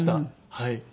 はい。